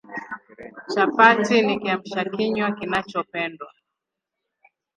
Chapati ni Kiamsha kinywa kinachopendwa